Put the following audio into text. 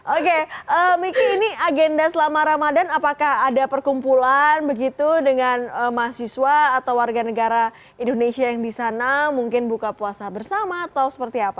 oke miki ini agenda selama ramadhan apakah ada perkumpulan begitu dengan mahasiswa atau warga negara indonesia yang di sana mungkin buka puasa bersama atau seperti apa